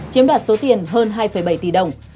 chiếm đoạt số tiền hơn hai bảy tỷ đồng